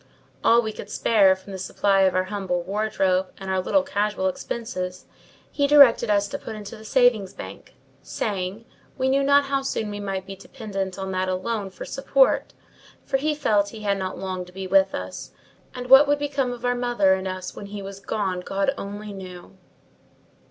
All we could spare from the supply of our humble wardrobe and our little casual expenses, he directed us to put into the savings' bank; saying, we knew not how soon we might be dependent on that alone for support: for he felt he had not long to be with us, and what would become of our mother and us when he was gone, God only knew!